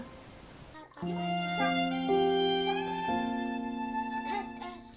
masih ada yang mau berpikir apa yang mau diberikan